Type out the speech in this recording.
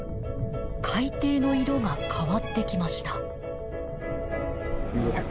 海底の色が変わってきました。